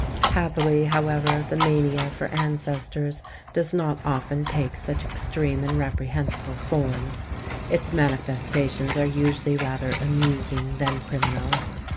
Happily, however, the mania for ancestors does not often take such extreme and reprehensible forms; its manifestations are usually rather amusing than criminal.